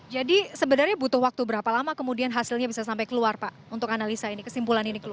jadi sebenarnya butuh waktu berapa lama kemudian hasilnya bisa sampai keluar pak untuk analisa ini kesimpulan ini keluar